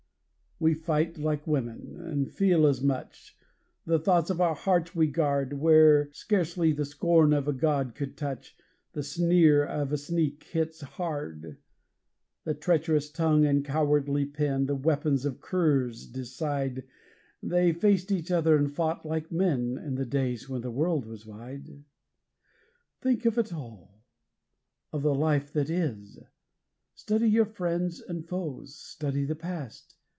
We fight like women, and feel as much; the thoughts of our hearts we guard; Where scarcely the scorn of a god could touch, the sneer of a sneak hits hard; The treacherous tongue and cowardly pen, the weapons of curs, decide They faced each other and fought like men in the days when the world was wide. Think of it all of the life that is! Study your friends and foes! Study the past!